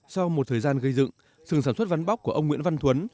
sau một thời gian gây dựng sừng sản xuất ván bóc của ông nguyễn văn thuấn